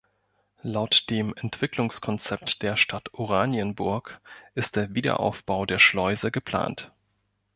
Laut dem Entwicklungskonzept der Stadt Oranienburg ist der Wiederaufbau der Schleuse geplant.